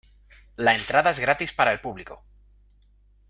La entrada es gratis para el público.